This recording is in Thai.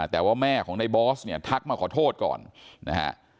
แต่ว่าแม่ของในบอสเนี่ยทักมาขอโทษก่อนนะฮะ